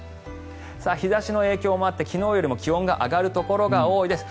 日差しの影響もあって昨日よりも気温が上がるところが多いです。